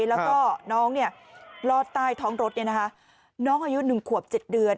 แล้วก็น้องลอดใต้ท้องรถน้องอายุ๑ขวบ๗เดือน